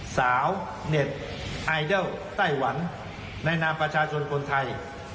สาวเน็ตไอดอลไต้หวันในนามประชาชนคนไทย